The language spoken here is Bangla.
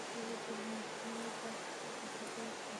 কেবল তার মা-ই তার সাথে কথা বলতেন।